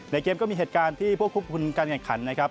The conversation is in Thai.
ในเกมก็มีเหตุการณ์ที่พวกคุมคุมการการขันต์นะครับ